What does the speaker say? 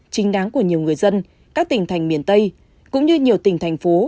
chính đáng của nhiều người dân các tỉnh thành miền tây cũng như nhiều tỉnh thành phố